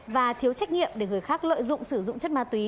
và thiếu trách nhiệm để người khác lợi dụng sử dụng chất ma túy